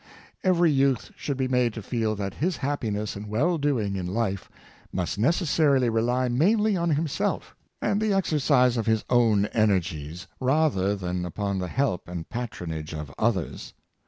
Every youth should be made to feel that his happi ness and well doing in life must necessarily rely mainly on himself and the exercise of his own energies, rather than upon the help and patronage of others.